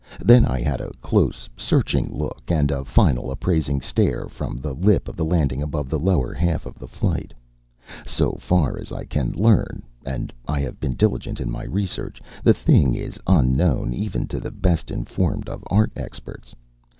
Then I had a close, searching look, and a final appraising stare from the lip of the landing above the lower half of the flight. So far as I can learn and I have been diligent in my research the thing is unknown even to the best informed of art experts.